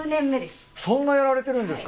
そんなやられてるんですか。